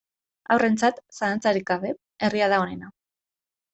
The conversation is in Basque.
Haurrentzat, zalantzarik gabe, herria da onena.